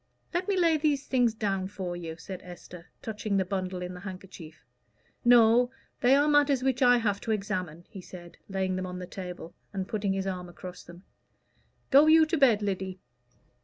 "Let me lay these things down for you," said Esther, touching the bundle in the handkerchief. "No; they are matters which I have to examine," he said, laying them on the table, and putting his arm across them. "Go you to bed, Lyddy."